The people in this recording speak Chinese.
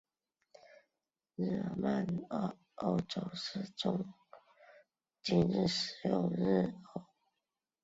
日耳曼欧洲是今日使用着日耳曼语言的欧洲地区。